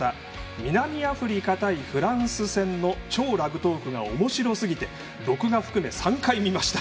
南アフリカ対フランス戦の「超ラグトーク」がおもしろすぎて録画含め３回見ました。